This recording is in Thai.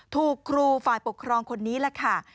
ถูกครูฝ่ายปกครองคนนี้แหละค่ะ